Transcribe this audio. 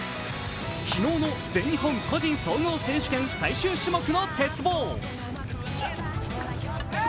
昨日の全日本個人総合選手権最終種目の鉄棒。